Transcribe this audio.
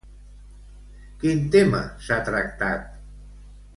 Quin tema s'ha tractat?